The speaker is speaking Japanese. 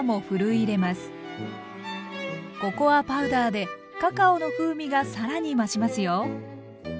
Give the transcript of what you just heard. ココアパウダーでカカオの風味が更に増しますよ。